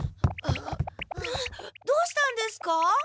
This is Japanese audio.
どうしたんですか？